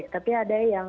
tapi ada yang